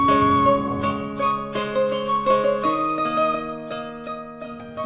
segini cukup mana nasinya